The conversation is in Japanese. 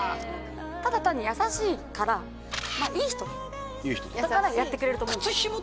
ただ単に優しいからまあいい人だからやってくれると思うんです